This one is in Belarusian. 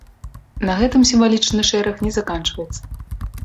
На гэтым сімвалічны шэраг не заканчваецца.